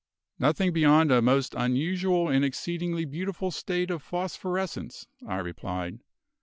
"Nothing beyond a most unusual and exceedingly beautiful state of phosphorescence," I replied.